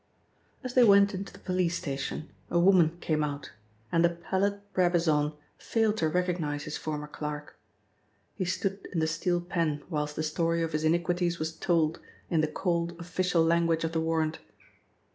As they went into the police station, a woman came out, and the pallid Brabazon failed to recognise his former clerk. He stood in the steel pen whilst the story of his iniquities was told in the cold, official language of the warrant.